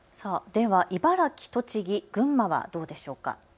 では茨城、栃木、群馬はどうでしょうか。